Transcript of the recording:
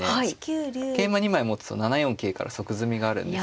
桂馬２枚持つと７四桂から即詰みがあるんですよ。